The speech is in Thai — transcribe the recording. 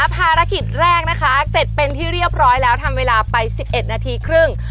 ภารกิจแรกนะคะเสร็จเป็นที่เรียบร้อยแล้วทำเวลาไป๑๑นาทีครึ่ง